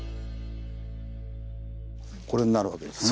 これになるわけですね。